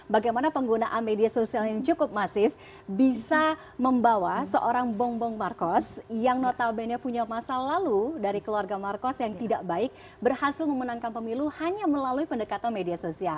bagaimana penggunaan media sosial yang cukup masif bisa membawa seorang bong bong marcos yang notabene punya masa lalu dari keluarga marcos yang tidak baik berhasil memenangkan pemilu hanya melalui pendekatan media sosial